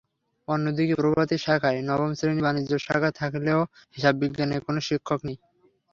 অন্যদিকে প্রভাতি শাখায় নবম শ্রেণির বাণিজ্য শাখা থাকলেও হিসাববিজ্ঞানের কোনো শিক্ষক নেই।